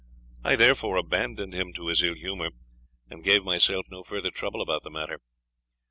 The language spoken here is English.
I therefore abandoned him to his ill humour, and gave myself no further trouble about the matter.